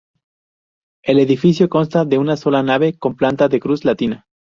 El edificio consta de una sola nave con planta de cruz latina.